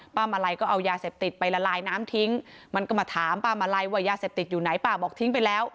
มาลัยก็เอายาเสพติดไปละลายน้ำทิ้งมันก็มาถามป้ามาลัยว่ายาเสพติดอยู่ไหนป้าบอกทิ้งไปแล้ว